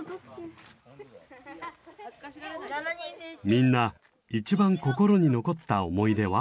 みんな一番心に残った思い出は？